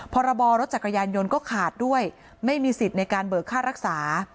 พรบรรถจักรยานยนต์ก็ขาดด้วยไม่มีสิทธิ์ในการเบิกค่ารักษา